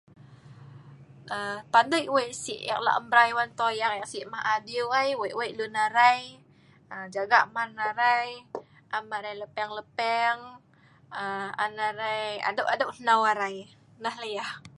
Padei weik sik eek lak mrai wan toyang eek sik ma' adiu ai, weik2 lun arai, jaga man arai, am arai lepeng2 err.. an arai adook2 hnau arai. Nah lah yah.